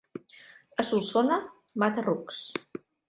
A Solsona, mata-rucs.